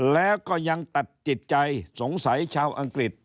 แล้วก็ยังตัดจิตใจสงสัยชาวอังกฤษ